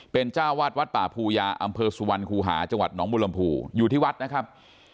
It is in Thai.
เป็นเจ้าวาดวัดป่าภูยาอำเภอสุวรรณคูหาจังหวัดหนองบุรมภูอยู่ที่วัดนะครับ